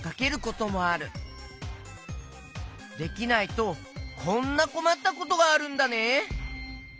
できないとこんなこまったことがあるんだね。